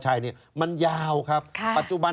ชีวิตกระมวลวิสิทธิ์สุภาณฑ์